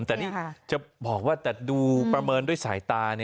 แต่นี่จะบอกว่าแต่ดูประเมินด้วยสายตา